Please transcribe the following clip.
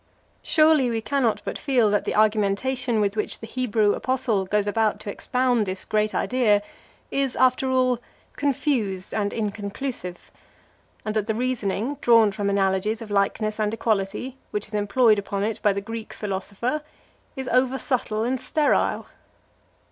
Surely we cannot but feel, that the argumentation with which the Hebrew apostle goes about to expound this great idea is, after all, confused and inconclusive; and that the reasoning, drawn from analogies of likeness and equality, which is employed upon it by the Greek philosopher, is over subtle and sterile?